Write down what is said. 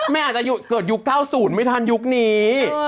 อาจจะเกิดยุค๙๐ไม่ทันยุคนี้